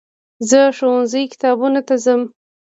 زه د ښوونځي کتابتون ته ځم.